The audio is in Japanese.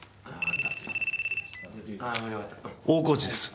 大河内です。